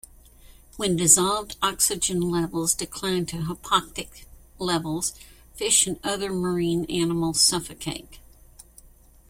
When dissolved oxygen levels decline to hypoxic levels, fish and other marine animals suffocate.